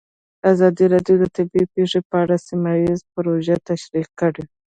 ازادي راډیو د طبیعي پېښې په اړه سیمه ییزې پروژې تشریح کړې.